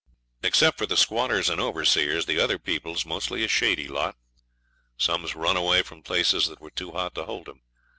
Except the squatters and overseers, the other people's mostly a shady lot. Some's run away from places that were too hot to hold 'em.